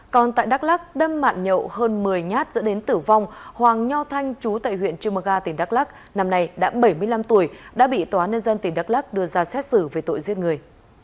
còn tại đắk lắc đâm mạn nhậu hơn một mươi nhát dẫn đến tử vong hoàng nho thanh chú tại huyện chumaga tỉnh đắk lắc năm nay đã bảy mươi năm tuổi đã bị tòa án nhân dân tỉnh đắk lắc đưa ra xét xử về tội giết người